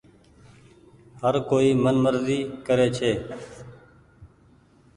هر ڪوئي من مزي ڪري ڇي۔